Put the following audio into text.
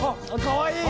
かわいい！